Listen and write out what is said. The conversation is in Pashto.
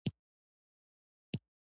د اوږدو انځرو هیواد افغانستان.